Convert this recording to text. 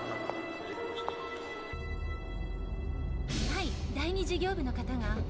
はい第２事業部の方が。